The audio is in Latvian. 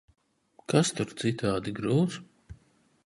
Kas tur citādi grūts?